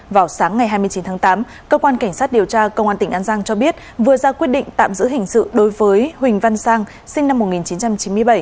vào sáng ngày hai mươi chín tháng tám cơ quan cảnh sát điều tra công an tỉnh an giang cho biết vừa ra quyết định tạm giữ hình sự đối với huỳnh văn sang sinh năm một nghìn chín trăm chín mươi bảy